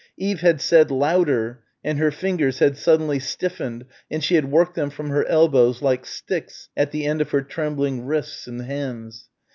Eve had said "louder" and her fingers had suddenly stiffened and she had worked them from her elbows like sticks at the end of her trembling wrists and hands.